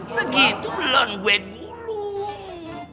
segitu belum gue gulung